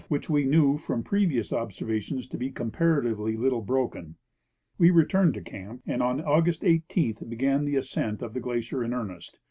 which we knew from previous observations to be comparatively little broken. We returned to camp, and on August 18 began the ascent of the glacier in earnest.